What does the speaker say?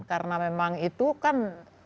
karena memang itu kan